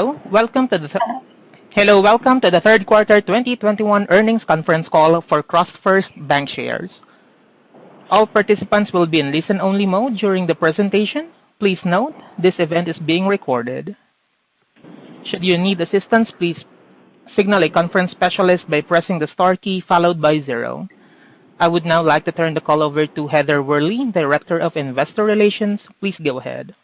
Hello. Welcome to the third quarter 2021 earnings conference call for CrossFirst Bankshares. All participants will be in listen-only mode during the presentation. Please note, this event is being recorded. Should you need assistance, please signal a conference specialist by pressing the star key followed by zero. I would now like to turn the call over to Heather Worley, Director of Investor Relations. Please go ahead.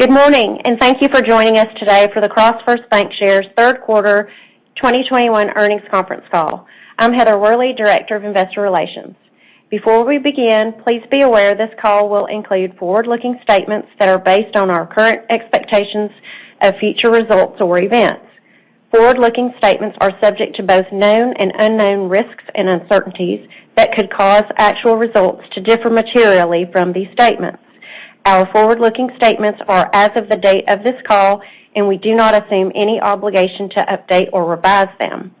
Good morning, and thank you for joining us today for the CrossFirst Bankshares 3rd quarter 2021 earnings conference call. I'm Heather Worley, Director of Investor Relations. Before we begin, please be aware this call will include forward-looking statements that are based on our current expectations of future results or events. Forward-looking statements are subject to both known and unknown risks and uncertainties that could cause actual results to differ materially from these statements. Our forward-looking statements are as of the date of this call, and we do not assume any obligation to update or revise them.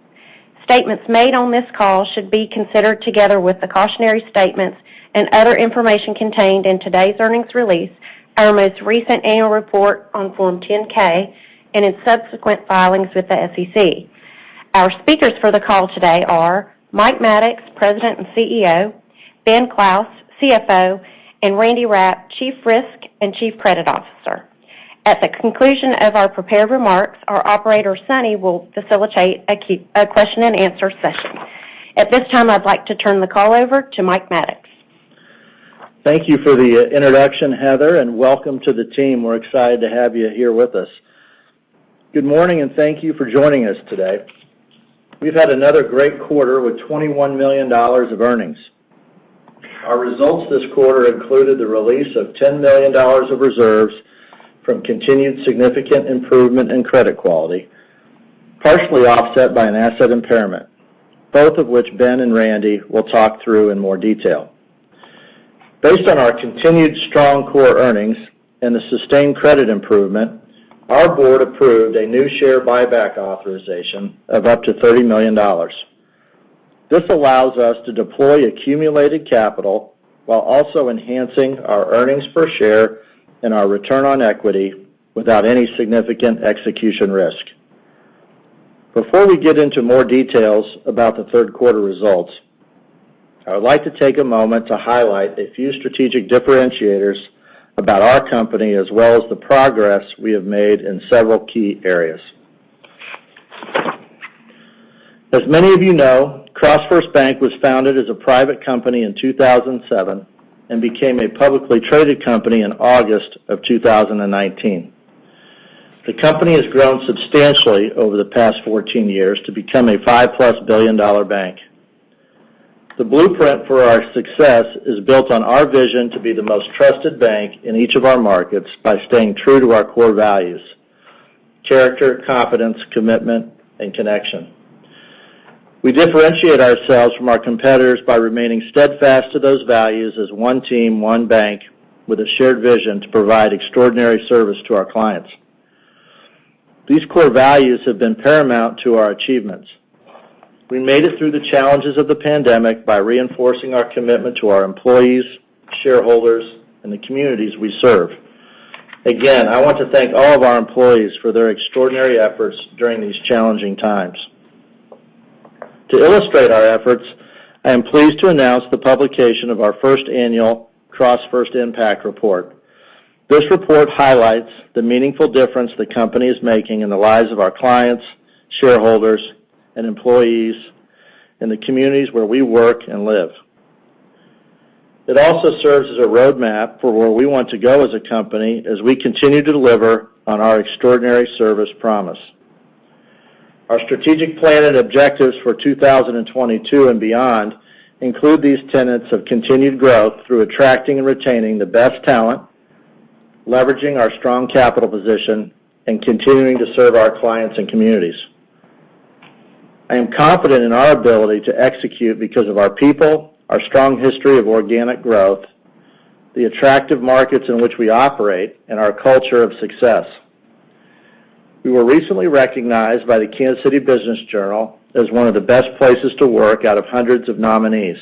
Statements made on this call should be considered together with the cautionary statements and other information contained in today's earnings release, our most recent annual report on Form 10-K, and in subsequent filings with the SEC. Our speakers for the call today are Mike Maddox, President and Chief Executive Officer, Ben Clouse, Chief Financial Officer, and Randy Rapp, Chief Risk and Chief Credit Officer. At the conclusion of our prepared remarks, our operator, Sunny, will facilitate a question and answer session. At this time, I'd like to turn the call over to Mike Maddox. Thank you for the introduction, Heather, and welcome to the team. We're excited to have you here with us. Good morning, and thank you for joining us today. We've had another great quarter with $21 million of earnings. Our results this quarter included the release of $10 million of reserves from continued significant improvement in credit quality, partially offset by an asset impairment, both of which Ben and Randy will talk through in more detail. Based on our continued strong core earnings and the sustained credit improvement, our board approved a new share buyback authorization of up to $30 million. This allows us to deploy accumulated capital while also enhancing our earnings per share and our return on equity without any significant execution risk. Before we get into more details about the third quarter results, I would like to take a moment to highlight a few strategic differentiators about our company, as well as the progress we have made in several key areas. As many of you know, CrossFirst Bank was founded as a private company in 2007 and became a publicly traded company in August of 2019. The company has grown substantially over the past 14 years to become a $5+ billion bank. The blueprint for our success is built on our vision to be the most trusted bank in each of our markets by staying true to our core values: character, confidence, commitment, and connection. We differentiate ourselves from our competitors by remaining steadfast to those values as one team, one bank, with a shared vision to provide extraordinary service to our clients. These core values have been paramount to our achievements. We made it through the challenges of the pandemic by reinforcing our commitment to our employees, shareholders, and the communities we serve. Again, I want to thank all of our employees for their extraordinary efforts during these challenging times. To illustrate our efforts, I am pleased to announce the publication of our first annual CrossFirst Impact Report. This report highlights the meaningful difference the company is making in the lives of our clients, shareholders, and employees, in the communities where we work and live. It also serves as a roadmap for where we want to go as a company as we continue to deliver on our extraordinary service promise. Our strategic plan and objectives for 2022 and beyond include these tenets of continued growth through attracting and retaining the best talent, leveraging our strong capital position, and continuing to serve our clients and communities. I am confident in our ability to execute because of our people, our strong history of organic growth, the attractive markets in which we operate, and our culture of success. We were recently recognized by the Kansas City Business Journal as one of the best places to work out of hundreds of nominees.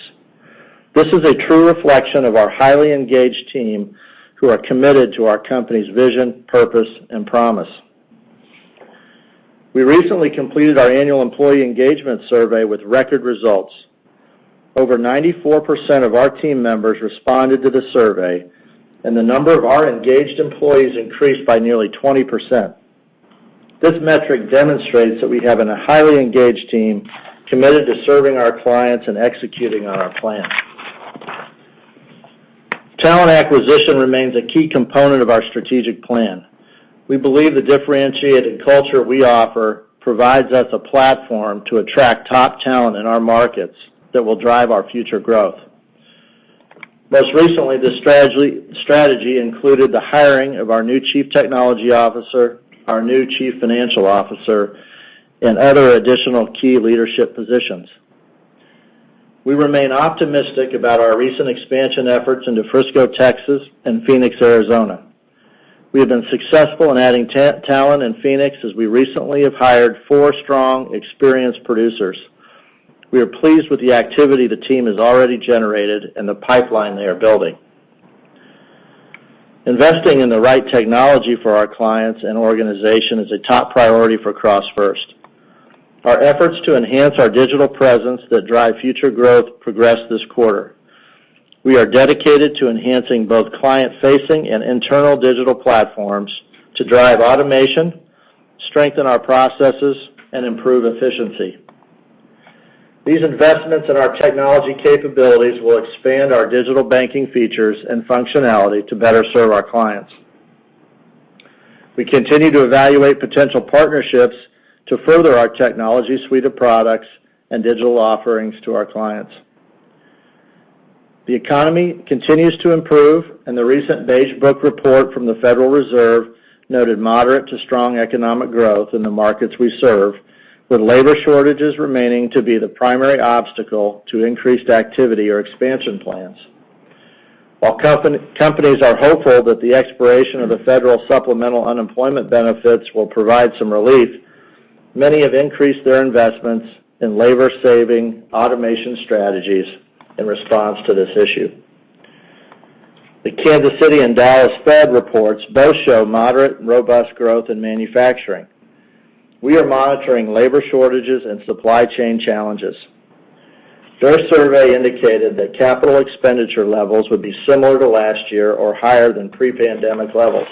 This is a true reflection of our highly engaged team who are committed to our company's vision, purpose, and promise. We recently completed our annual employee engagement survey with record results. Over 94% of our team members responded to the survey, and the number of our engaged employees increased by nearly 20%. This metric demonstrates that we have a highly engaged team committed to serving our clients and executing on our plan. Talent acquisition remains a key component of our strategic plan. We believe the differentiated culture we offer provides us a platform to attract top talent in our markets that will drive our future growth. Most recently, this strategy included the hiring of our new Chief Technology Officer, our new Chief Financial Officer, and other additional key leadership positions. We remain optimistic about our recent expansion efforts into Frisco, Texas, and Phoenix, Arizona. We have been successful in adding talent in Phoenix as we recently have hired four strong, experienced producers. We are pleased with the activity the team has already generated and the pipeline they are building. Investing in the right technology for our clients and organization is a top priority for CrossFirst. Our efforts to enhance our digital presence that drive future growth progressed this quarter. We are dedicated to enhancing both client-facing and internal digital platforms to drive automation, strengthen our processes, and improve efficiency. These investments in our technology capabilities will expand our digital banking features and functionality to better serve our clients. We continue to evaluate potential partnerships to further our technology suite of products and digital offerings to our clients. The economy continues to improve, and the recent Beige Book report from the Federal Reserve noted moderate to strong economic growth in the markets we serve, with labor shortages remaining to be the primary obstacle to increased activity or expansion plans. While companies are hopeful that the expiration of the federal supplemental unemployment benefits will provide some relief, many have increased their investments in labor-saving automation strategies in response to this issue. The Kansas City and Dallas Fed reports both show moderate and robust growth in manufacturing. We are monitoring labor shortages and supply chain challenges. Their survey indicated that capital expenditure levels would be similar to last year or higher than pre-pandemic levels,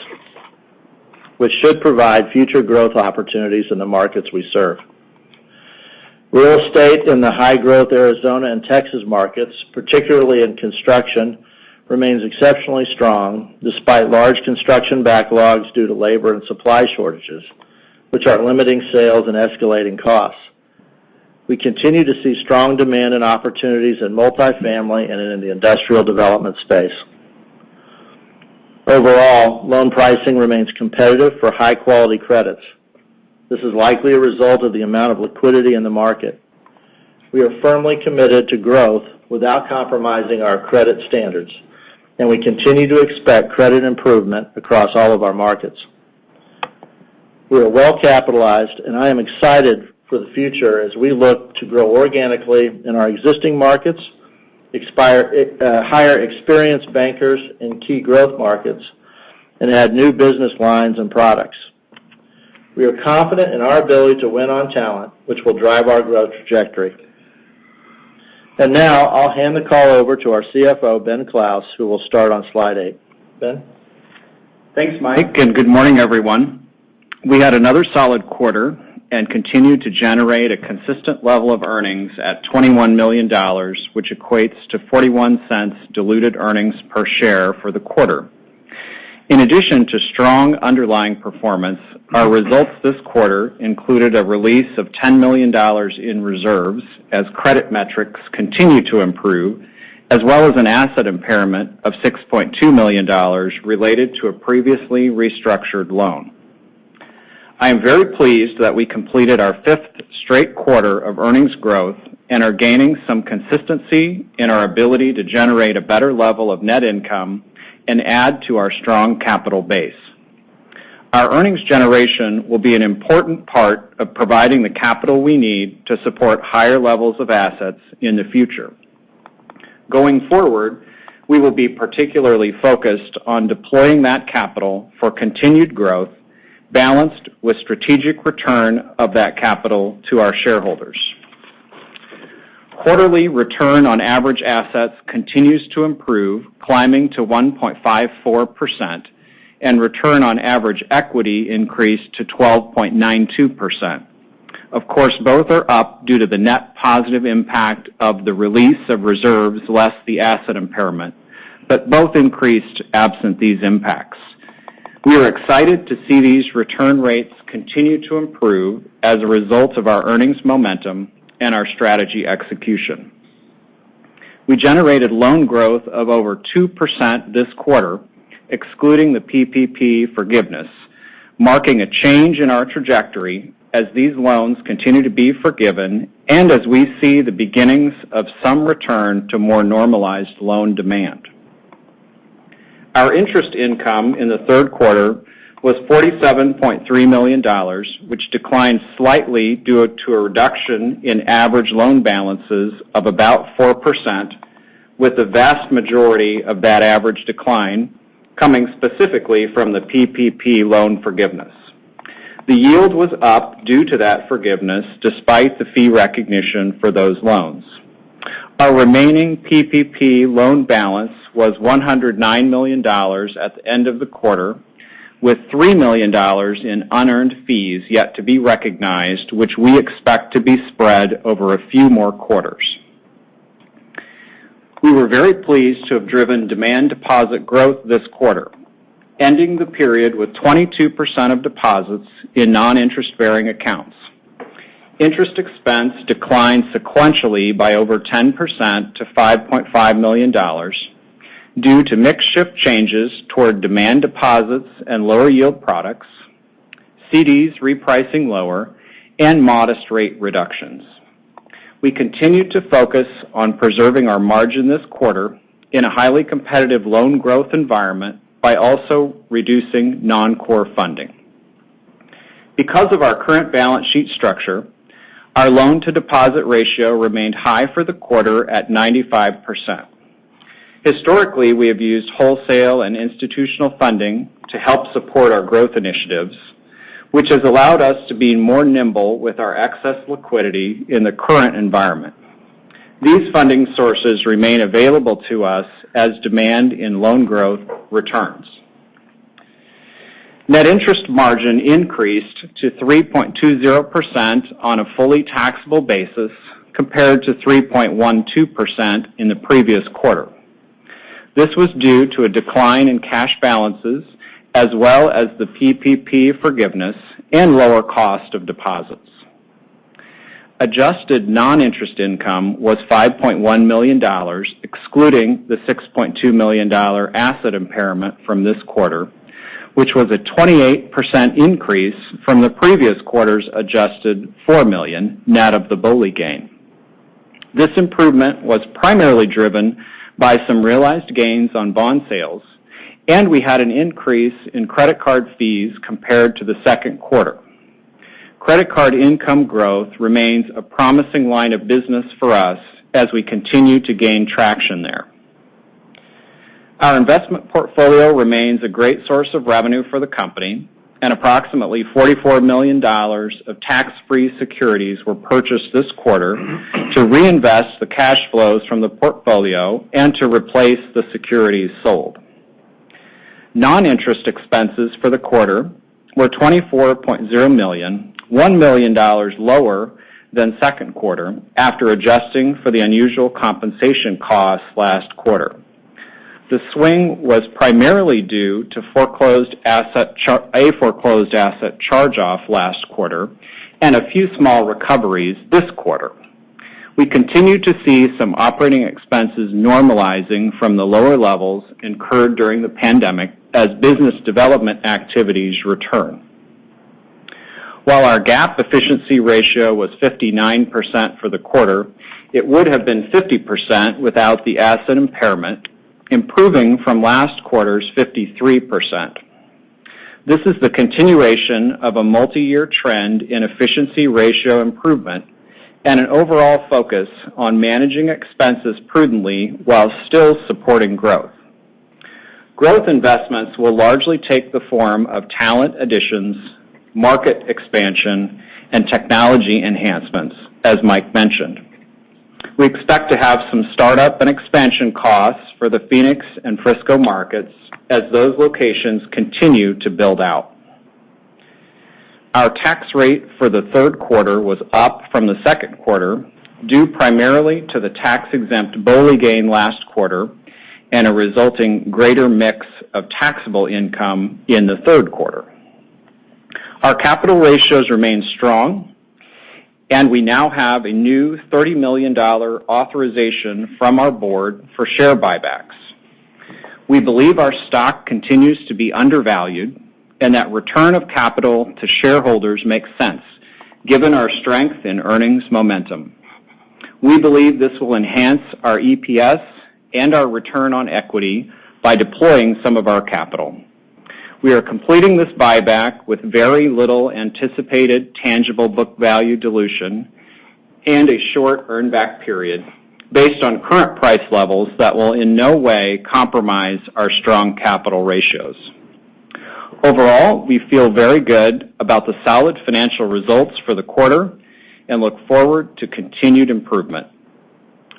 which should provide future growth opportunities in the markets we serve. Real estate in the high-growth Arizona and Texas markets, particularly in construction, remains exceptionally strong despite large construction backlogs due to labor and supply shortages, which are limiting sales and escalating costs. We continue to see strong demand and opportunities in multifamily and in the industrial development space. Overall, loan pricing remains competitive for high-quality credits. This is likely a result of the amount of liquidity in the market. We are firmly committed to growth without compromising our credit standards, and we continue to expect credit improvement across all of our markets. We are well-capitalized, and I am excited for the future as we look to grow organically in our existing markets, hire experienced bankers in key growth markets, and add new business lines and products. We are confident in our ability to win on talent, which will drive our growth trajectory. Now, I'll hand the call over to our CFO, Ben Clouse, who will start on slide eight. Ben? Thanks, Mike, and good morning, everyone. We had another solid quarter and continued to generate a consistent level of earnings at $21 million, which equates to $0.41 diluted earnings per share for the quarter. In addition to strong underlying performance, our results this quarter included a release of $10 million in reserves as credit metrics continue to improve, as well as an asset impairment of $6.2 million related to a previously restructured loan. I am very pleased that we completed our fifth straight quarter of earnings growth and are gaining some consistency in our ability to generate a better level of net income and add to our strong capital base. Our earnings generation will be an important part of providing the capital we need to support higher levels of assets in the future. Going forward, we will be particularly focused on deploying that capital for continued growth, balanced with strategic return of that capital to our shareholders. Quarterly return on average assets continues to improve, climbing to 1.54%, and return on average equity increased to 12.92%. Of course, both are up due to the net positive impact of the release of reserves less the asset impairment, but both increased absent these impacts. We are excited to see these return rates continue to improve as a result of our earnings momentum and our strategy execution. We generated loan growth of over 2% this quarter, excluding the Paycheck Protection Program forgiveness, marking a change in our trajectory as these loans continue to be forgiven and as we see the beginnings of some return to more normalized loan demand. Our interest income in the third quarter was $47.3 million, which declined slightly due to a reduction in average loan balances of about 4%, with the vast majority of that average decline coming specifically from the PPP loan forgiveness. The yield was up due to that forgiveness despite the fee recognition for those loans. Our remaining PPP loan balance was $109 million at the end of the quarter, with $3 million in unearned fees yet to be recognized, which we expect to be spread over a few more quarters. We were very pleased to have driven demand deposit growth this quarter, ending the period with 22% of deposits in non-interest-bearing accounts. Interest expense declined sequentially by over 10% to $5.5 million due to mix shift changes toward demand deposits and lower yield products, Certificates of Deposit repricing lower, and modest rate reductions. We continued to focus on preserving our margin this quarter in a highly competitive loan growth environment by also reducing non-core funding. Because of our current balance sheet structure, our loan-to-deposit ratio remained high for the quarter at 95%. Historically, we have used wholesale and institutional funding to help support our growth initiatives, which has allowed us to be more nimble with our excess liquidity in the current environment. These funding sources remain available to us as demand in loan growth returns. Net interest margin increased to 3.20% on a fully taxable basis compared to 3.12% in the previous quarter. This was due to a decline in cash balances as well as the PPP forgiveness and lower cost of deposits. Adjusted non-interest income was $5.1 million, excluding the $6.2 million asset impairment from this quarter, which was a 28% increase from the previous quarter's adjusted $4 million, net of the Bank-Owned Life Insurance gain. This improvement was primarily driven by some realized gains on bond sales. We had an increase in credit card fees compared to the second quarter. Credit card income growth remains a promising line of business for us as we continue to gain traction there. Our investment portfolio remains a great source of revenue for the company. Approximately $44 million of tax-free securities were purchased this quarter to reinvest the cash flows from the portfolio and to replace the securities sold. Non-interest expenses for the quarter were $24.0 million, $1 million lower than second quarter after adjusting for the unusual compensation costs last quarter. The swing was primarily due to a foreclosed asset charge-off last quarter and a few small recoveries this quarter. We continue to see some operating expenses normalizing from the lower levels incurred during the pandemic as business development activities return. While our GAAP efficiency ratio was 59% for the quarter, it would have been 50% without the asset impairment, improving from last quarter's 53%. This is the continuation of a multi-year trend in efficiency ratio improvement and an overall focus on managing expenses prudently while still supporting growth. Growth investments will largely take the form of talent additions, market expansion, and technology enhancements, as Mike mentioned. We expect to have some startup and expansion costs for the Phoenix and Frisco markets as those locations continue to build out. Our tax rate for the third quarter was up from the second quarter, due primarily to the tax-exempt BOLI gain last quarter and a resulting greater mix of taxable income in the third quarter. Our capital ratios remain strong, and we now have a new $30 million authorization from our board for share buybacks. We believe our stock continues to be undervalued and that return of capital to shareholders makes sense given our strength in earnings momentum. We believe this will enhance our EPS and our return on equity by deploying some of our capital. We are completing this buyback with very little anticipated tangible book value dilution and a short earn-back period based on current price levels that will in no way compromise our strong capital ratios. Overall, we feel very good about the solid financial results for the quarter and look forward to continued improvement.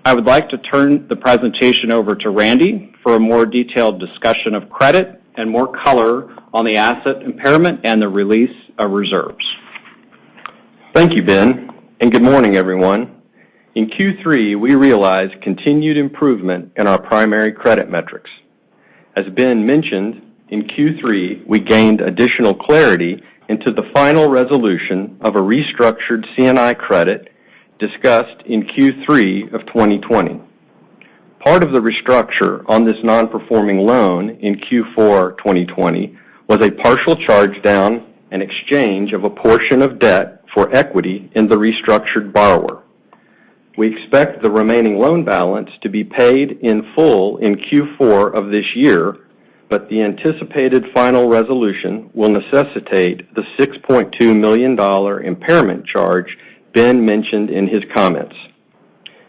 I would like to turn the presentation over to Randy Rapp for a more detailed discussion of credit and more color on the asset impairment and the release of reserves. Thank you, Ben, and good morning, everyone. In Q3, we realized continued improvement in our primary credit metrics. As Ben mentioned, in Q3, we gained additional clarity into the final resolution of a restructured Commercial and Industrial credit discussed in Q3 of 2020. Part of the restructure on this non-performing loan in Q4 2020 was a partial charge down and exchange of a portion of debt for equity in the restructured borrower. We expect the remaining loan balance to be paid in full in Q4 of this year, but the anticipated final resolution will necessitate the $6.2 million impairment charge Ben mentioned in his comments.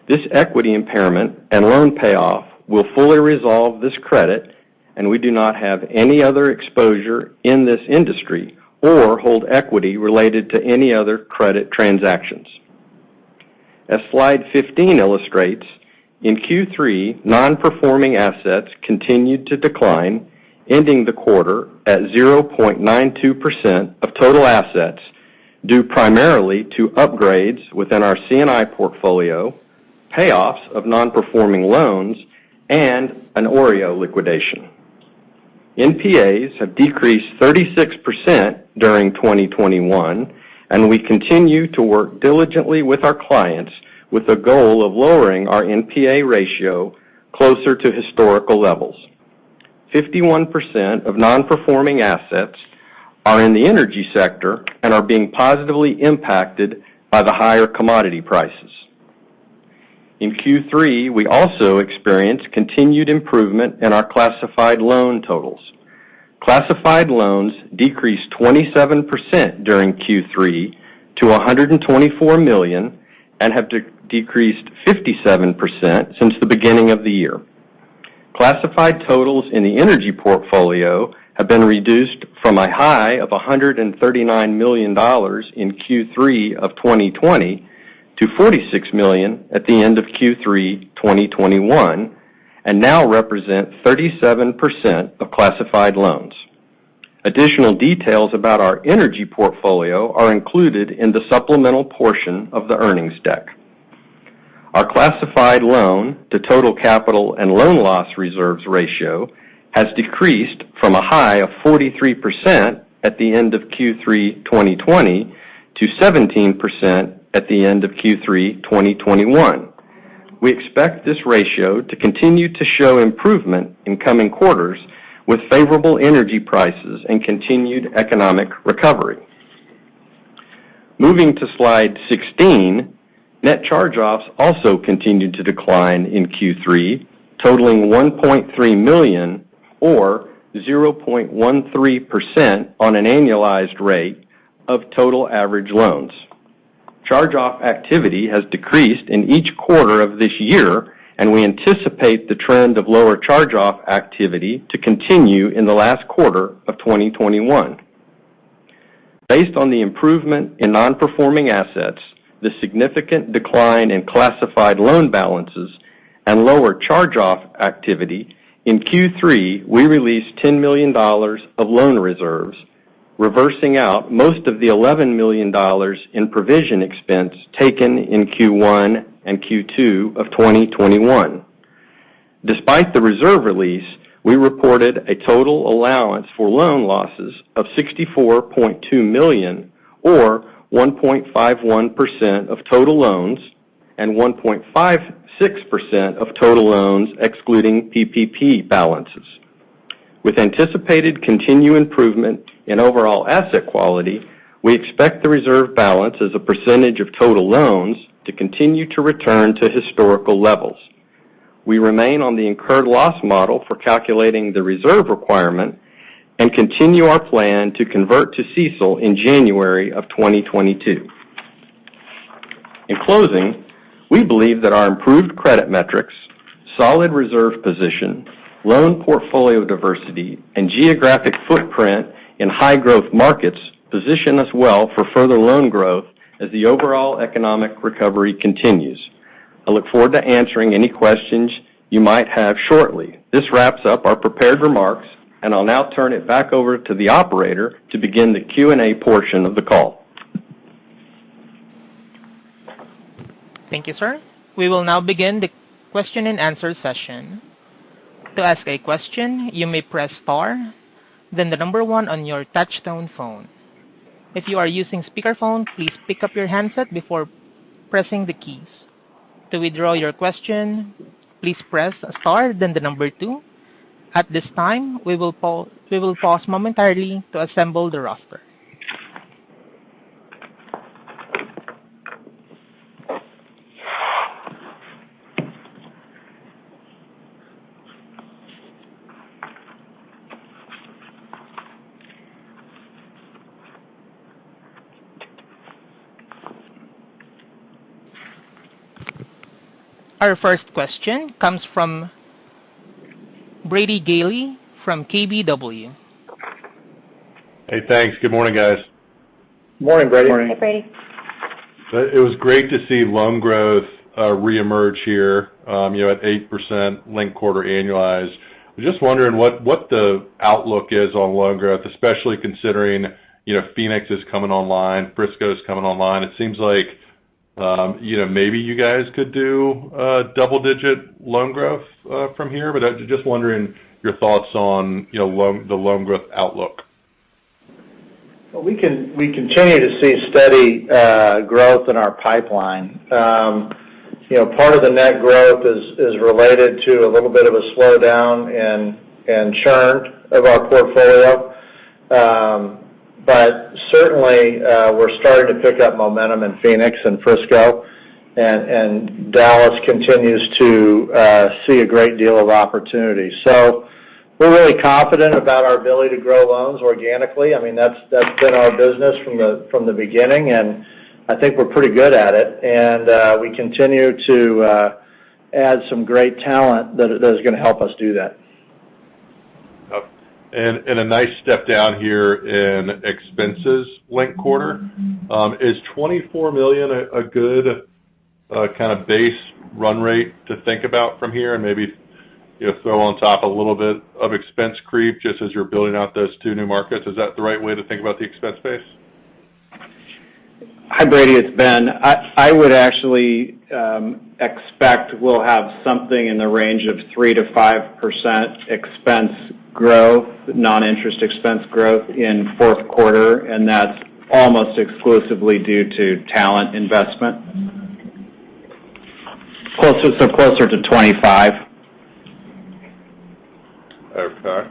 This equity impairment and loan payoff will fully resolve this credit, and we do not have any other exposure in this industry or hold equity related to any other credit transactions. As slide 15 illustrates, in Q3, Non-Performing Assets continued to decline, ending the quarter at 0.92% of total assets, due primarily to upgrades within our C&I portfolio, payoffs of non-performing loans, and an Other Real Estate Owned liquidation. Non-Performing Assets have decreased 36% during 2021. We continue to work diligently with our clients with the goal of lowering our NPA ratio closer to historical levels. 51% of Non-Performing Assets are in the energy sector and are being positively impacted by the higher commodity prices. In Q3, we also experienced continued improvement in our classified loan totals. Classified loans decreased 27% during Q3 to $124 million and have decreased 57% since the beginning of the year. Classified totals in the energy portfolio have been reduced from a high of $139 million in Q3 of 2020 to $46 million at the end of Q3 2021, and now represent 37% of classified loans. Additional details about our energy portfolio are included in the supplemental portion of the earnings deck. Our classified loan to total capital and loan loss reserves ratio has decreased from a high of 43% at the end of Q3 2020 to 17% at the end of Q3 2021. We expect this ratio to continue to show improvement in coming quarters with favorable energy prices and continued economic recovery. Moving to slide 16, net charge-offs also continued to decline in Q3, totaling $1.3 million, or 0.13% on an annualized rate of total average loans. Charge-off activity has decreased in each quarter of this year, and we anticipate the trend of lower charge-off activity to continue in the last quarter of 2021. Based on the improvement in Non-Performing Assets, the significant decline in classified loan balances, and lower charge-off activity, in Q3, we released $10 million of loan reserves, reversing out most of the $11 million in provision expense taken in Q1 and Q2 of 2021. Despite the reserve release, we reported a total allowance for loan losses of $64.2 million, or 1.51% of total loans and 1.56% of total loans excluding PPP balances. With anticipated continued improvement in overall asset quality, we expect the reserve balance as a percentage of total loans to continue to return to historical levels. We remain on the incurred loss model for calculating the reserve requirement and continue our plan to convert to Current Expected Credit Losses in January of 2022. In closing, we believe that our improved credit metrics, solid reserve position, loan portfolio diversity, and geographic footprint in high-growth markets position us well for further loan growth as the overall economic recovery continues. I look forward to answering any questions you might have shortly. This wraps up our prepared remarks, and I'll now turn it back over to the operator to begin the Q&A portion of the call. Thank you, sir. We will now begin the question and answer session. To ask a question, you may press star then the number one on your touch tone phone. If you are using speaker phone, please pick up the handset before pressing the key. To withdraw your question, please press star then the number two. At this time, we will pause momentarily to assemble the roster. Our first question comes from Brady Gailey from KBW. Hey, thanks. Good morning, guys. Morning, Brady. Morning. Hey, Brady. It was great to see loan growth reemerge here at 8% linked quarter annualized. I'm just wondering what the outlook is on loan growth, especially considering Phoenix is coming online, Frisco is coming online. It seems like maybe you guys could do double-digit loan growth from here, but just wondering your thoughts on the loan growth outlook. Well, we continue to see steady growth in our pipeline. Part of the net growth is related to a little bit of a slowdown in churn of our portfolio. Certainly, we're starting to pick up momentum in Phoenix and Frisco, and Dallas continues to see a great deal of opportunity. We're really confident about our ability to grow loans organically. That's been our business from the beginning, and I think we're pretty good at it. We continue to add some great talent that is going to help us do that. A nice step down here in expenses linked quarter. Is $24 million a good kind of base run rate to think about from here? Maybe throw on top a little bit of expense creep, just as you're building out those two new markets. Is that the right way to think about the expense base? Hi, Brady. It's Ben. I would actually expect we'll have something in the range of 3%-5% non-interest expense growth in fourth quarter, and that's almost exclusively due to talent investment. Closer to 25. Okay.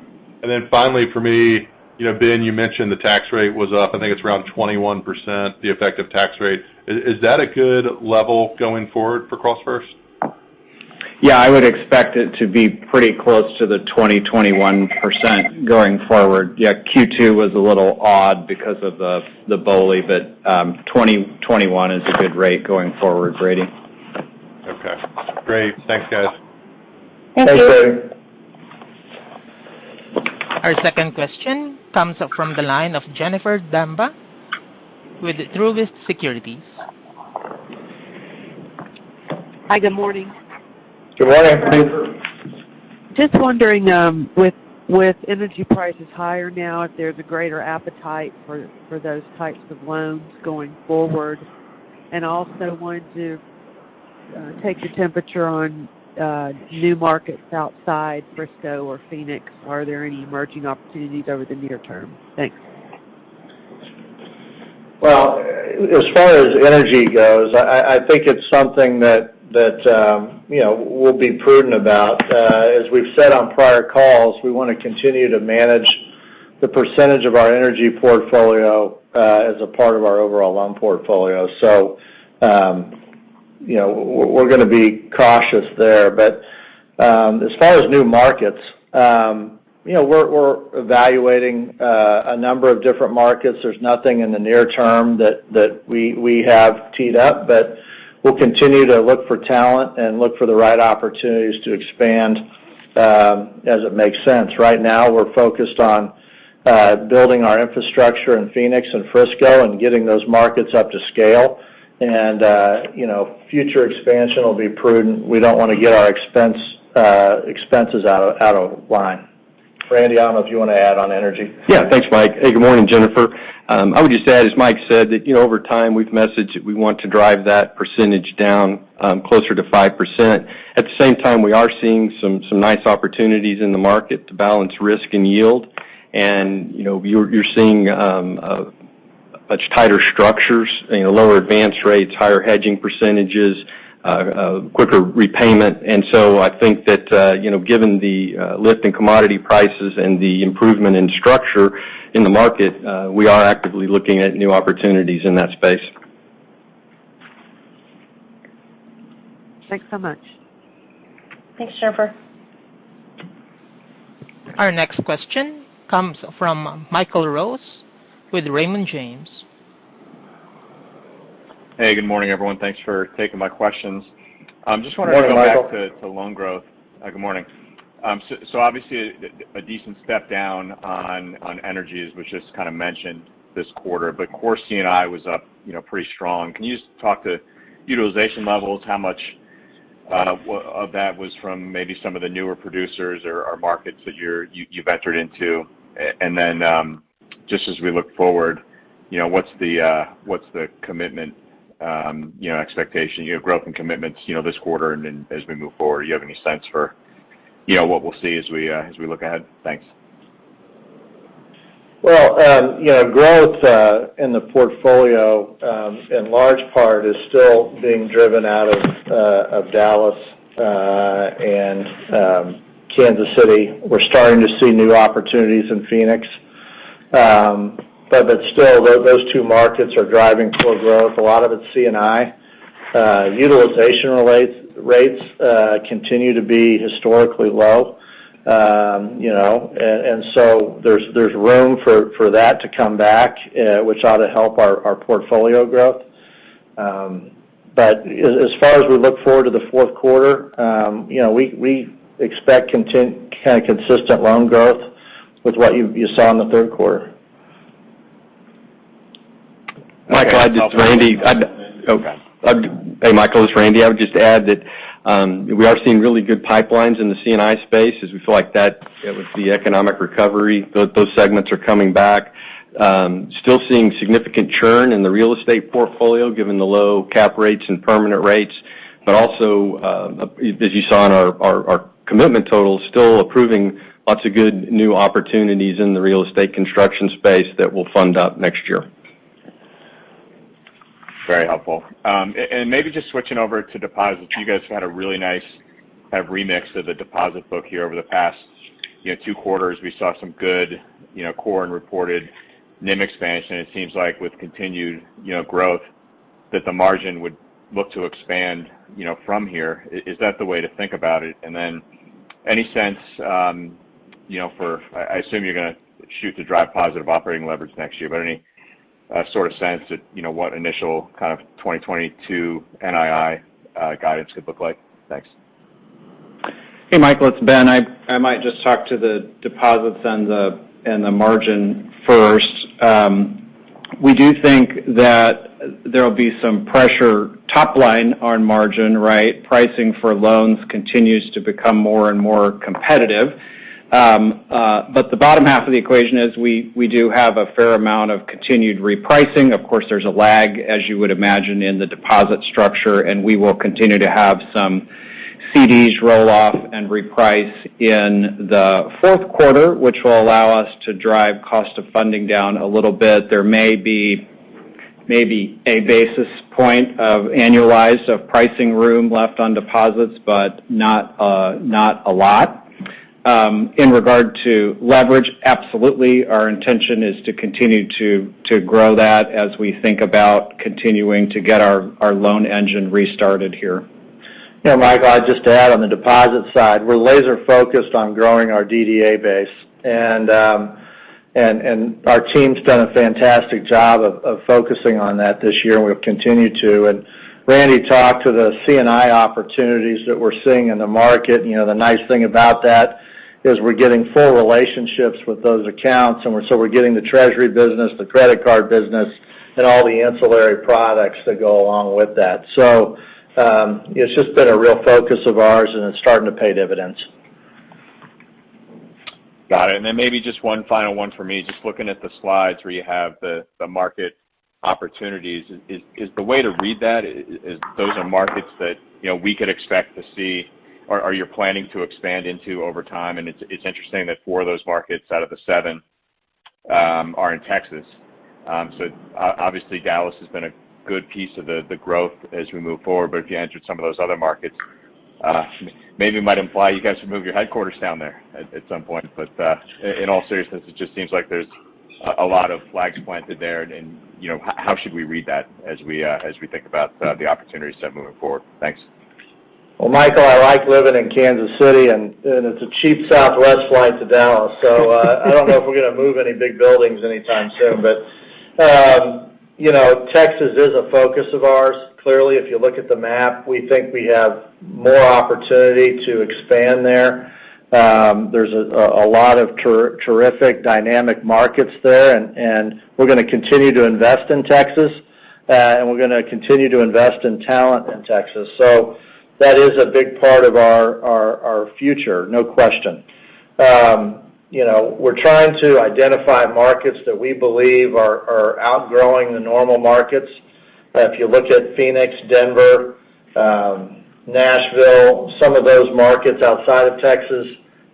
Finally for me, Ben, you mentioned the tax rate was up. I think it's around 21%, the effective tax rate. Is that a good level going forward for CrossFirst? Yeah, I would expect it to be pretty close to the 20%-21% going forward. Yeah, Q2 was a little odd because of the BOLI, but 20%-21% is a good rate going forward, Brady. Okay. Great. Thanks, guys. Thanks, Brady. Our second question comes from the line of Jennifer Demba with Truist Securities. Hi, good morning. Good morning. Just wondering, with energy prices higher now, if there's a greater appetite for those types of loans going forward? Also wanted to take the temperature on new markets outside Frisco or Phoenix. Are there any emerging opportunities over the near term? Thanks. Well, as far as energy goes, I think it's something that we'll be prudent about. As we've said on prior calls, we want to continue to manage the percentage of our energy portfolio as a part of our overall loan portfolio. We're going to be cautious there. As far as new markets, we're evaluating a number of different markets. There's nothing in the near term that we have teed up. We'll continue to look for talent and look for the right opportunities to expand as it makes sense. Right now, we're focused on building our infrastructure in Phoenix and Frisco and getting those markets up to scale. Future expansion will be prudent. We don't want to get our expenses out of line. Randy, I don't know if you want to add on energy. Yeah. Thanks, Mike. Hey, good morning, Jennifer. I would just add, as Mike said, that over time, we've messaged that we want to drive that percentage down closer to 5%. At the same time, we are seeing some nice opportunities in the market to balance risk and yield. You're seeing much tighter structures, lower advance rates, higher hedging percentages, quicker repayment. I think that given the lift in commodity prices and the improvement in structure in the market, we are actively looking at new opportunities in that space. Thanks so much. Thanks, Jennifer. Our next question comes from Michael Rose with Raymond James. Hey, good morning, everyone. Thanks for taking my questions. Good morning, Michael. Just wanted to go back to loan growth. Good morning. Obviously, a decent step down on energies was just kind of mentioned this quarter, but core C&I was up pretty strong. Can you just talk to utilization levels? How much of that was from maybe some of the newer producers or markets that you've entered into? Then just as we look forward, what's the commitment expectation, growth and commitments this quarter and then as we move forward? Do you have any sense for what we'll see as we look ahead? Thanks. Well, growth in the portfolio in large part is still being driven out of Dallas and Kansas City. We're starting to see new opportunities in Phoenix. Still, those two markets are driving core growth. A lot of it's C&I. Utilization rates continue to be historically low. So there's room for that to come back, which ought to help our portfolio growth. As far as we look forward to the fourth quarter, we expect kind of consistent loan growth with what you saw in the third quarter. Michael, it's Randy. Okay. Hey, Michael, this is Randy. I would just add that we are seeing really good pipelines in the C&I space as we feel like that, with the economic recovery, those segments are coming back. Still seeing significant churn in the real estate portfolio, given the low cap rates and permanent rates. Also, as you saw in our commitment totals, still approving lots of good new opportunities in the real estate construction space that we'll fund up next year. Very helpful. Maybe just switching over to deposits. You guys have had a really nice kind of remix of the deposit book here over the past two quarters. We saw some good core and reported Net Interest Margin expansion, and it seems like with continued growth, that the margin would look to expand from here. Is that the way to think about it? Any sense I assume you're going to shoot to drive positive operating leverage next year, but any sort of sense what initial kind of 2022 Net Interest Income guidance could look like? Thanks. Hey, Michael, it's Ben. I might just talk to the deposits and the margin first. We do think that there'll be some pressure top line on margin, right? Pricing for loans continues to become more and more competitive. The bottom half of the equation is we do have a fair amount of continued repricing. Of course, there's a lag, as you would imagine, in the deposit structure, and we will continue to have some CDs roll off and reprice in the fourth quarter, which will allow us to drive cost of funding down a little bit. Maybe a basis point of annualized pricing room left on deposits, but not a lot. In regard to leverage, absolutely, our intention is to continue to grow that as we think about continuing to get our loan engine restarted here. Yeah, Michael, just to add on the deposit side, we're laser focused on growing our Demand Deposit Account base. Our team's done a fantastic job of focusing on that this year, and we'll continue to. Randy talked to the C&I opportunities that we're seeing in the market. The nice thing about that is we're getting full relationships with those accounts, and so we're getting the treasury business, the credit card business, and all the ancillary products that go along with that. It's just been a real focus of ours, and it's starting to pay dividends. Got it. Then maybe just one final one for me. Just looking at the slides where you have the market opportunities. Is the way to read that is those are markets that we could expect to see, or you're planning to expand into over time? It's interesting that four of those markets out of the seven are in Texas. Obviously, Dallas has been a good piece of the growth as we move forward. If you entered some of those other markets, maybe might imply you guys should move your headquarters down there at some point. In all seriousness, it just seems like there's a lot of flags planted there. How should we read that as we think about the opportunities moving forward? Thanks. Michael, I like living in Kansas City, and it's a cheap Southwest flight to Dallas, so I don't know if we're going to move any big buildings anytime soon. Texas is a focus of ours. Clearly, if you look at the map, we think we have more opportunity to expand there. There's a lot of terrific dynamic markets there, and we're going to continue to invest in Texas, and we're going to continue to invest in talent in Texas. That is a big part of our future, no question. We're trying to identify markets that we believe are outgrowing the normal markets. If you look at Phoenix, Denver, Nashville, some of those markets outside of Texas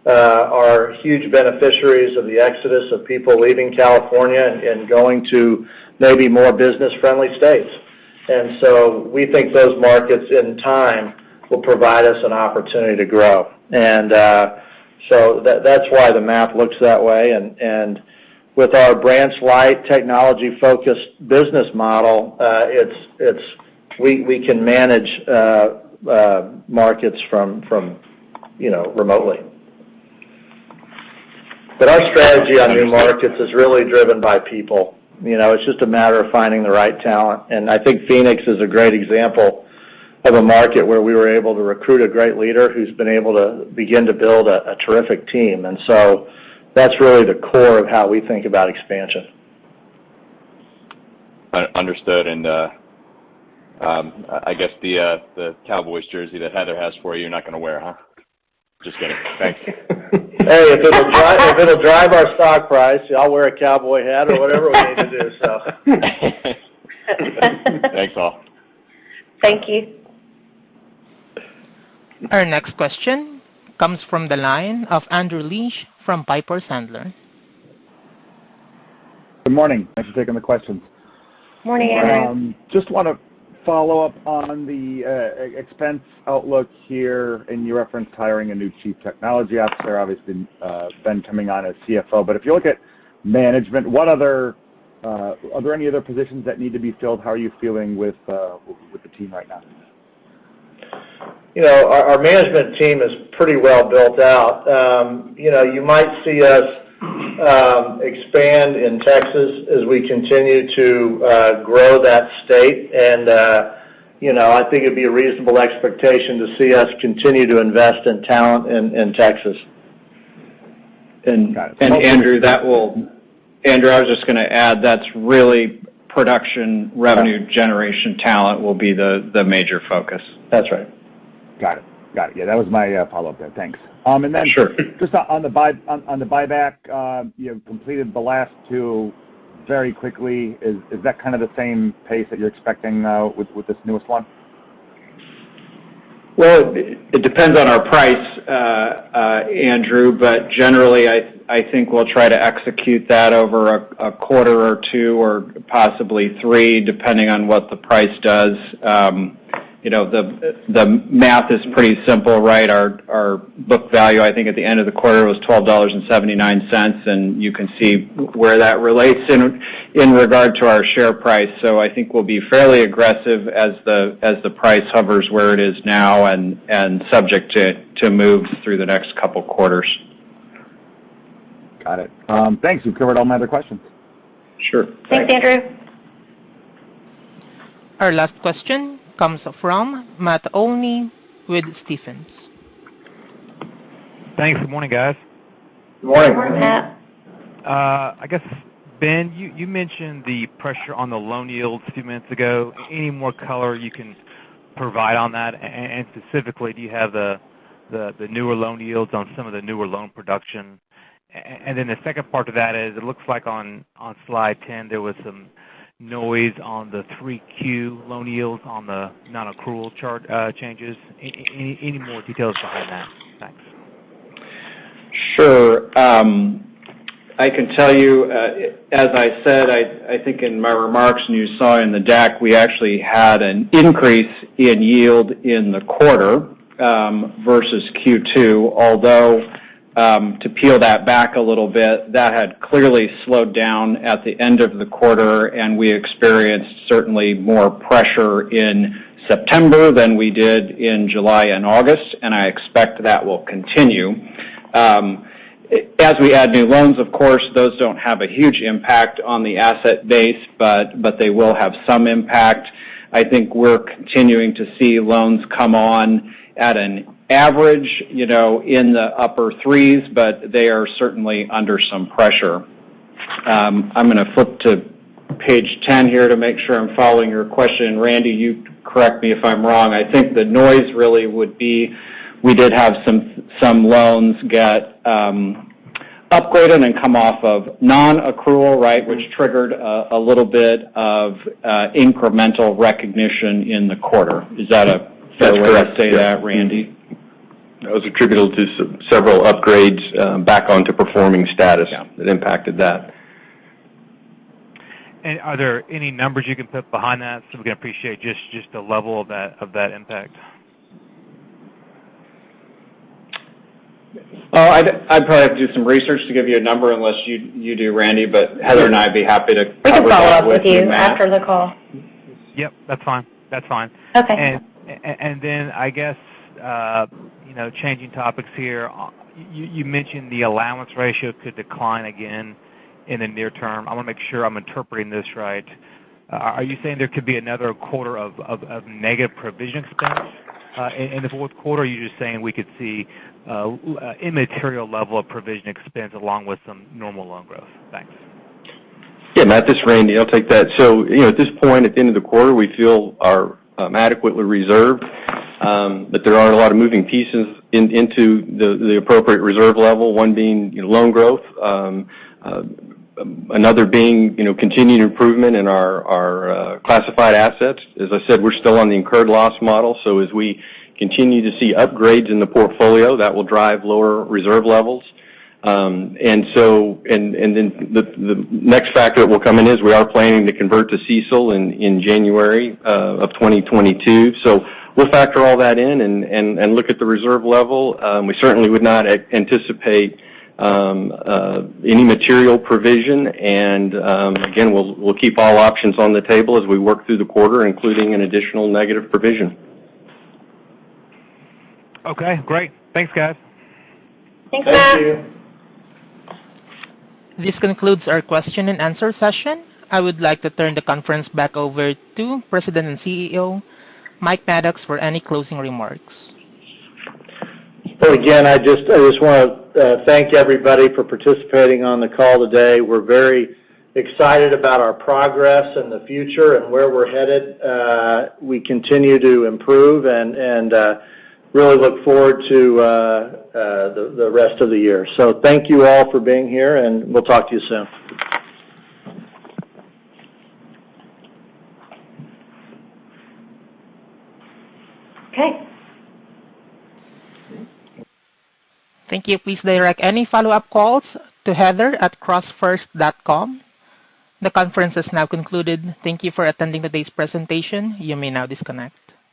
are huge beneficiaries of the exodus of people leaving California and going to maybe more business-friendly states. We think those markets, in time, will provide us an opportunity to grow. That's why the map looks that way. With our branch-light, technology-focused business model, we can manage markets from remotely. Our strategy on new markets is really driven by people. It's just a matter of finding the right talent. I think Phoenix is a great example of a market where we were able to recruit a great leader who's been able to begin to build a terrific team. That's really the core of how we think about expansion. Understood. I guess the Cowboys jersey that Heather has for you're not going to wear? Just kidding. Thanks. Hey, if it'll drive our stock price, I'll wear a cowboy hat or whatever we need to do, so. Thanks, all. Thank you. Our next question comes from the line of Andrew Liesch from Piper Sandler. Good morning. Thanks for taking the questions. Morning, Andrew. Just want to follow up on the expense outlook here. You referenced hiring a new Chief Technology Officer, obviously, Ben coming on as CFO. If you look at management, are there any other positions that need to be filled? How are you feeling with the team right now? Our management team is pretty well built out. You might see us expand in Texas as we continue to grow that state. I think it'd be a reasonable expectation to see us continue to invest in talent in Texas. Andrew, I was just going to add, that's really production revenue generation talent will be the major focus. That's right. Got it. Yeah, that was my follow-up there. Thanks. Sure. Just on the buyback, you completed the last two very quickly. Is that kind of the same pace that you're expecting now with this newest one? Well, it depends on our price, Andrew. Generally, I think we'll try to execute that over a quarter or two, or possibly three, depending on what the price does. The math is pretty simple, right? Our book value, I think at the end of the quarter was $12.79. You can see where that relates in regard to our share price. I think we'll be fairly aggressive as the price hovers where it is now and subject to move through the next two quarters. Got it. Thanks. You've covered all my other questions. Sure. Thanks, Andrew. Our last question comes from Matt Olney with Stephens. Thanks. Good morning, guys. Good morning. Good morning, Matt. I guess, Ben, you mentioned the pressure on the loan yields a few minutes ago. Any more color you can provide on that? Specifically, do you have the newer loan yields on some of the newer loan production? The second part to that is, it looks like on slide 10, there was some noise on the 3Q loan yields on the non-accrual chart changes. Any more details behind that? Thanks. Sure. I can tell you, as I said, I think in my remarks, and you saw in the deck, we actually had an increase in yield in the quarter versus Q2. Although, to peel that back a little bit, that had clearly slowed down at the end of the quarter, and we experienced certainly more pressure in September than we did in July and August, and I expect that will continue. As we add new loans, of course, those don't have a huge impact on the asset base, but they will have some impact. I think we're continuing to see loans come on at an average in the upper threes, but they are certainly under some pressure. I'm going to flip to page 10 here to make sure I'm following your question. Randy, you correct me if I'm wrong. I think the noise really would be we did have some loans get upgraded and come off of non-accrual, which triggered a little bit of incremental recognition in the quarter. Is that a fair way to say that, Randy? That's correct. Yes. That was attributable to several upgrades back onto performing status it impacted that. Are there any numbers you can put behind that, so we can appreciate just the level of that impact? I'd probably have to do some research to give you a number, unless you do, Randy, but Heather and I'd be happy to follow up with you, Matt. We can follow up with you after the call. Yep, that's fine. Okay. I guess, changing topics here. You mentioned the allowance ratio could decline again in the near term. I want to make sure I am interpreting this right. Are you saying there could be another quarter of negative provision expense in the fourth quarter? Are you just saying we could see immaterial level of provision expense along with some normal loan growth? Thanks. Yeah, Matt, this is Randy. I'll take that. At this point, at the end of the quarter, we feel are adequately reserved. There are a lot of moving pieces into the appropriate reserve level. One being loan growth, another being continued improvement in our classified assets. As I said, we're still on the incurred loss model, so as we continue to see upgrades in the portfolio, that will drive lower reserve levels. The next factor that will come in is we are planning to convert to CECL in January of 2022. We'll factor all that in and look at the reserve level. We certainly would not anticipate any material provision, and again, we'll keep all options on the table as we work through the quarter, including an additional negative provision. Okay, great. Thanks, guys. Thanks, Matt. Thank you. This concludes our question and answer session. I would like to turn the conference back over to President and CEO, Mike Maddox, for any closing remarks. Again, I just want to thank everybody for participating on the call today. We're very excited about our progress in the future and where we're headed. We continue to improve and really look forward to the rest of the year. Thank you all for being here, and we'll talk to you soon. Okay. Thank you. Please direct any follow-up calls to heather@crossfirst.com. The conference is now concluded. Thank you for attending today's presentation. You may now disconnect.